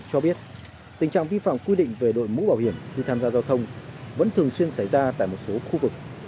cho biết tình trạng vi phạm quy định về đội mũ bảo hiểm khi tham gia giao thông vẫn thường xuyên xảy ra tại một số khu vực